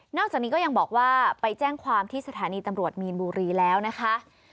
จากนี้ก็ยังบอกว่าไปแจ้งความที่สถานีตำรวจมีนบุรีแล้วนะคะ